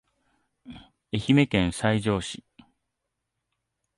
愛媛県西条市